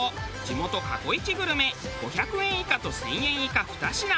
地元過去イチグルメ５００円以下と１０００円以下２品。